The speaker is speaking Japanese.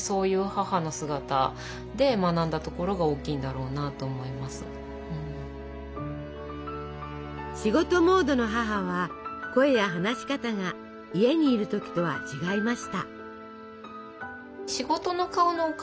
どんな仕事でもいいから仕事モードの母は声や話し方が家にいる時とは違いました。